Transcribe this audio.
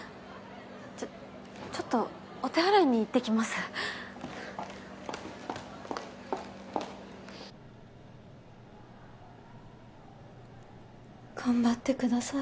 ちょっちょっとお手洗いに行ってきます頑張ってください